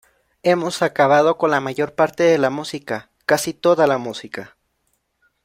Hemos acabado con la mayor parte de la música, casi toda la música.